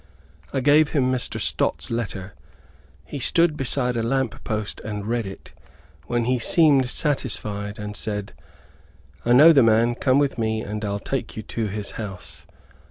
I gave him Mr. Stot's letter. He stood beside a lamp post and read it, when he seemed satisfied, and said, "I know the man; come with me and I'll take you to his house."